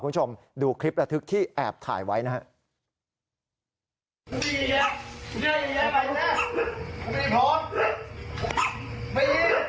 คุณผู้ชมดูคลิประทึกที่แอบถ่ายไว้นะครับ